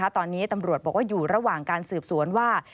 ตอนนี้ตำรวจบอกว่าอยู่ระหว่างการสืบสวนว่า